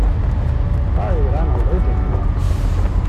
Sorry but I'm allergic to that.